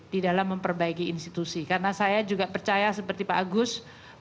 di dalam memperbaiki institusi karena saya juga percaya seperti pak agus